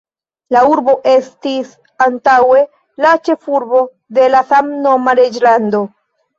La urbo estis antaŭe la ĉefurbo de la samnoma reĝlando.